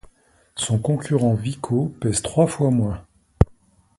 Son concurrent Vico pèse trois fois moins.